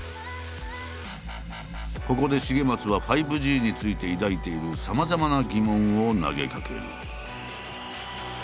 ここで重松は５Ｇについて抱いているさまざまな疑問を投げかける。